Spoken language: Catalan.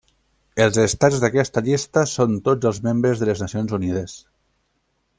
Els estats d'aquesta llista són tots els membres de les Nacions Unides.